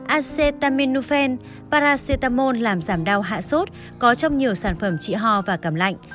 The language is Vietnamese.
acetaminophen paracetamol làm giảm đau hạ sốt có trong nhiều sản phẩm trị ho và cảm lạnh